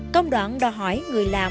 công đoạn đòi hỏi người làm